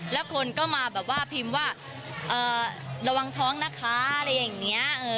แล้วคนก็มาแบบว่าพิมพ์ว่าระวังท้องนะคะอะไรอย่างนี้